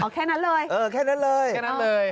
แค่นั้นเลยเออแค่นั้นเลยแค่นั้นเลย